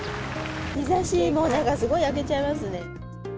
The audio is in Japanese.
日ざしもすごい焼けちゃいますね。